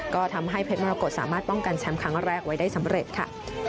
ก็ทำให้เพชรมรกฏสามารถป้องกันแชมป์ครั้งแรกไว้ได้สำเร็จค่ะ